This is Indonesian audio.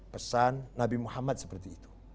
pesan nabi muhammad seperti itu